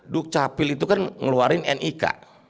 dukcapil itu kan ngeluarin nik